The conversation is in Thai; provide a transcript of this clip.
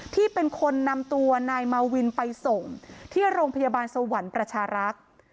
ที่เป็นคนนำตัวนายมาวินไปส่งที่โรงพยาบาลสวรรค์ประชารักษ์